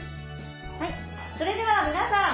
はいそれではみなさん